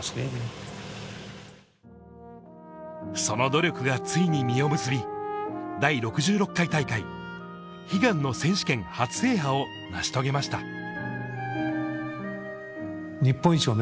その努力がついに実を結び、第６６回大会、悲願の選手権初制覇を成し遂げました。